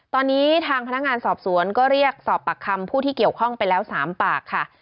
ตอนนี้ทางพนักงานสอบสวนก็เรียกสอบปากคำผู้ที่เกี่ยวข้องไปแล้ว๓ปากค่ะ